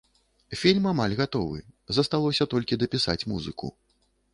Фільм амаль гатовы, засталося толькі дапісаць музыку.